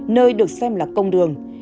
nơi được xem là công đường